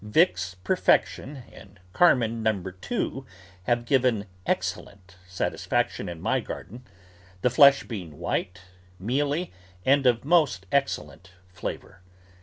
Vick's Perfection and Car men No. 2 have given excellent satisfaction in my garden, the flesh being white, mealy, and of most excellent flavour.